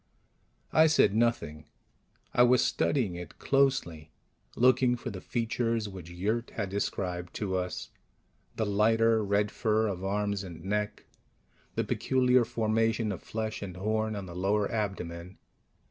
I said nothing. I was studying it closely, looking for the features which Yurt had described to us: the lighter red fur of arms and neck, the peculiar formation of flesh and horn on the lower abdomen.